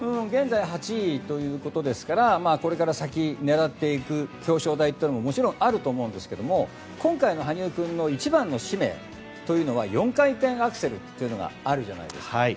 現在８位ということですからこれから先、狙っていく表彰台というのもあるとは思うんですが今回の羽生君の一番の使命は４回転アクセルというのがあるじゃないですか。